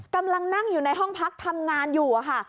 กำลังนั่งอยู่ในห้องพักทำงานอยู่อะค่ะ